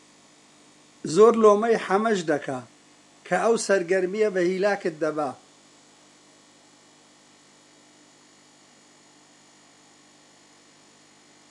زۆر لۆمەی حەمەش دەکا کە ئەو سەرگەرمییە بە هیلاکت دەبا